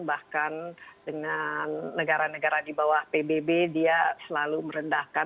bahkan dengan negara negara di bawah pbb dia selalu merendahkan